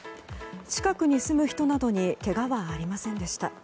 近くに住む人などにけがはありませんでした。